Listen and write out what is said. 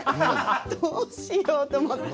どうしようと思って。